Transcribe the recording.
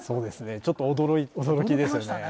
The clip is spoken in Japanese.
ちょっと驚きですよね。